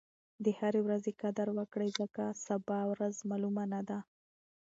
د هرې ورځې قدر وکړئ ځکه سبا ورځ معلومه نه ده.